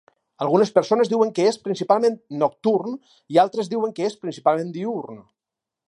Algunes persones diuen que és principalment nocturn i altres diuen que és principalment diürn.